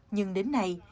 nhưng đến nay